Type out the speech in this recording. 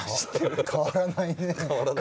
変わらないね。